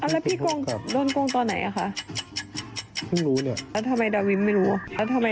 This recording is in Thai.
แล้วพี่โดนโกงตอนไหนอ่ะคะพึ่งรู้เนี่ย